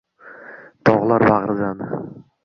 Tog’lar bag’ridan